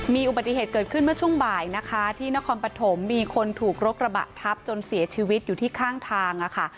มีอุบัติเหตุเกิดขึ้นเมื่อช่วงบ่ายนะคะที่นครปฐมมีคนถูกรถกระบะทับจนเสียชีวิตอยู่ที่ข้างทางค่ะ